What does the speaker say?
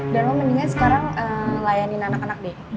dan lo mendingan sekarang layanin anak anak dewi